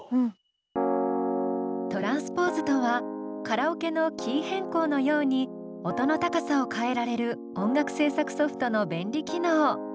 トランスポーズとはカラオケのキー変更のように音の高さを変えられる音楽制作ソフトの便利機能。